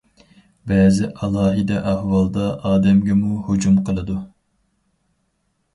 بەزى ئالاھىدە ئەھۋالدا ئادەمگىمۇ ھۇجۇم قىلىدۇ.